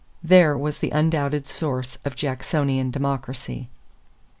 There was the undoubted source of Jacksonian democracy.